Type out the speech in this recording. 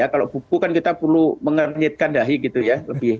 kalau buku kan kita perlu mengernyitkan dahi gitu ya